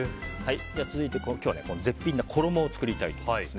続いて今日は絶品の衣を作りたいと思います。